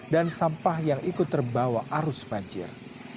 dan sampah yang ikut terbawa arus banjir